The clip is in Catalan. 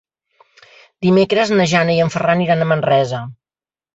Dimecres na Jana i en Ferran iran a Manresa.